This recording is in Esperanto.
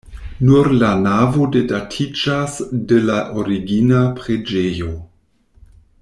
Nur la navo do datiĝas de la origina preĝejo.